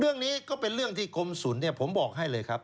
เรื่องนี้ก็เป็นเรื่องที่กรมศูนย์เนี่ยผมบอกให้เลยครับ